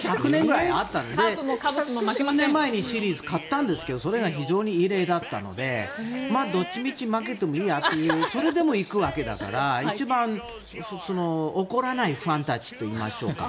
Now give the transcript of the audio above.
数年前にシリーズに勝ったのでそれが非常にいい例だったのでどっちみち負けてもいいやというそれでも行くわけだから一番怒らないファンたちといいましょうか。